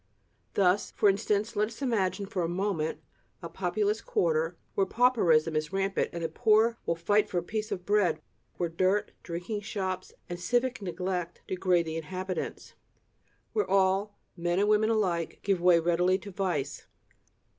Thus, for instance, let us imagine for a moment a populous quarter, where pauperism is rampant and the poor will fight for a piece of bread; where dirt, drinking shops and civic neglect degrade the inhabitants; where all, men and women alike, give way readily to vice.